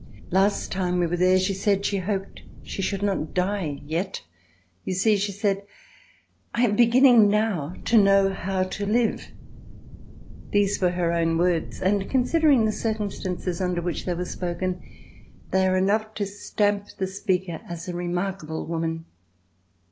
Last time we were there she said she hoped she should not die yet. "You see," she said, "I am beginning now to know how to live." These were her own words and, considering the circumstances under which they were spoken, they are enough to stamp the speaker as a remarkable woman.